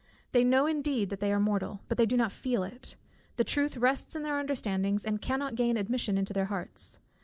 They know indeed that they are mortal, but they do not feel it. The truth rests in their understandings, and cannot gain admission into their hearts.